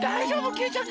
きいちゃん